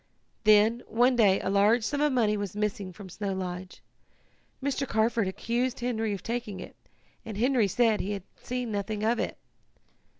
"Then, one day, a large sum of money was missing from Snow Lodge. Mr. Carford accused Henry of taking it, and Henry said he had seen nothing of it.